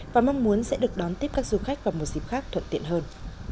và mong muốn sẽ được đón tiếp các du khách vào một dịp khác thuận tiện hơn